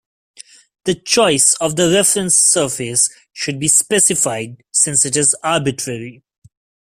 The choice of the reference surface should be specified since it is arbitrary.